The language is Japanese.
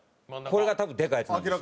これが多分でかいやつなんです。